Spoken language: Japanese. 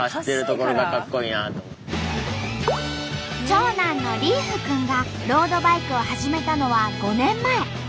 長男の琉楓くんがロードバイクを始めたのは５年前。